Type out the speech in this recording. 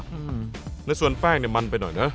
ชีกแป้งมันไปหน่อยนะ